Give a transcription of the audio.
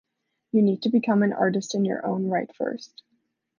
You need to become an artist in your own right first.